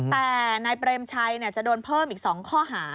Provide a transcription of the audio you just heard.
แต่นายเปรมชัยจะโดนเพิ่มอีก๒ข้อหา